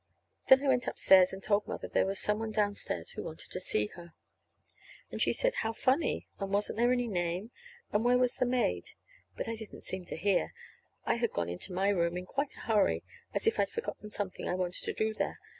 Then I went upstairs and told Mother there was some one downstairs who wanted to see her. And she said, how funny, and wasn't there any name, and where was the maid. But I didn't seem to hear. I had gone into my room in quite a hurry, as if I had forgotten something I wanted to do there.